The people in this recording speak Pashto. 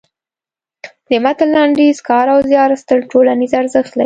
د متن لنډیز کار او زیار ستر ټولنیز ارزښت لري.